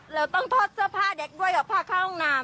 แล้วต้องถอดเสื้อผ้าเด็กด้วยอ่ะพาเข้าห้องนาม